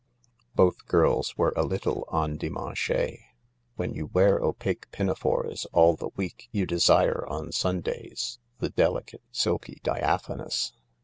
Both girls were a little endimanchees : when you wear opaque pinafores all the week you desire on Sundays the delicate silky diaphanous.